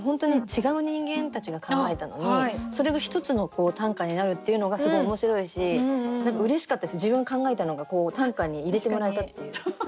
違う人間たちが考えたのにそれが一つの短歌になるっていうのがすごい面白いし何かうれしかったし自分が考えたのが短歌に入れてもらえたっていう。